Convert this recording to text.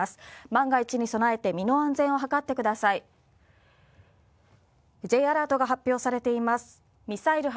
万が一に備えて、身の安全を図ってください。